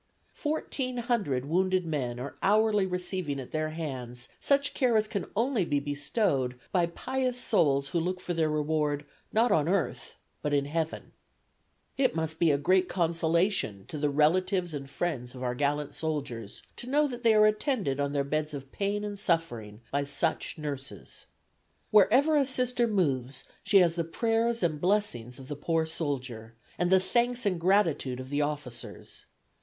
Fourteen hundred wounded men are hourly receiving at their hands such care as can only be bestowed by pious souls who look for their reward not on earth but in heaven. "It must be a great consolation to the relatives and friends of our gallant soldiers to know that they are attended on their beds of pain and suffering by such nurses. Wherever a Sister moves she has the prayers and blessings of the poor soldier, and the thanks and gratitude of the officers.